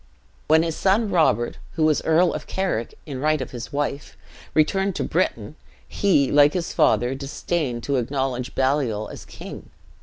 "When his son Robert (who was Earl of Carrick in right of his wife) returned to Britain, he, like his father, disdained to acknowledge Baliol as king.